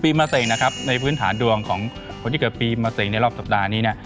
มะเร็งนะครับในพื้นฐานดวงของคนที่เกิดปีมะเสงในรอบสัปดาห์นี้เนี่ย